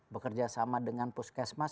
bekerja sama dengan puskesmas